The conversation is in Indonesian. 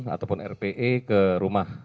ataupun rpe ke rumah